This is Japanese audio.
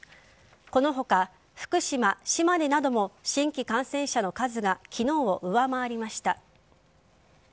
この他、福島、島根なども新規感染者の数が昨日を上回りました。